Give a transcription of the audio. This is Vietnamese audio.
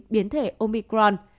biến thể omicron